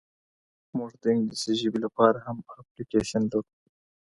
موږ د انګلیسي ژبي لپاره هم اپلیکیشن لرو.